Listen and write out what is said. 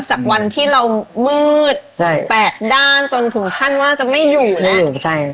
จากวันที่เรามืดใช่แปดด้านจนถึงขั้นว่าจะไม่อยู่แล้ว